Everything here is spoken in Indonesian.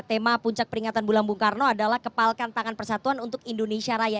tema puncak peringatan bulan bung karno adalah kepalkan tangan persatuan untuk indonesia raya